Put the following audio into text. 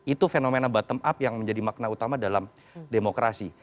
itu fenomena bottom up yang menjadi makna utama dalam demokrasi